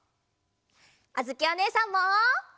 あづきおねえさんも。